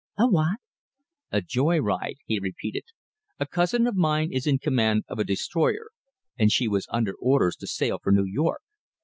"A what?" "A joy ride," he repeated. "A cousin of mine is in command of a destroyer, and she was under orders to sail for New York.